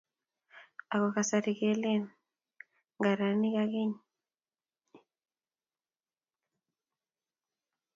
Ako kasari keleni ngaranik akeny.